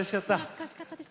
懐かしかったです。